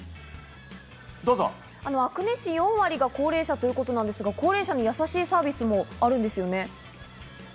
阿久根市、４割が高齢者ということなんですが、高齢者にやさしいサービスもあるんですよね？